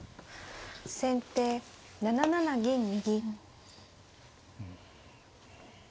先手７七銀右。